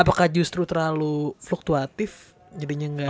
apakah justru terlalu fluktuatif jadinya nggak